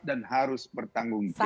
dan harus bertanggung jawab